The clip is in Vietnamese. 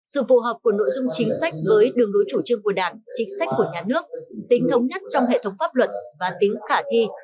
sự phù hợp của nội dung chính sách với đường lối chủ trương của đảng chính sách của nhà nước tính thống nhất trong hệ thống pháp luật và tính khả thi